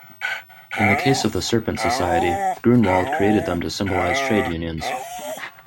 In the case of the Serpent Society, Gruenwald created them to symbolize trade unions.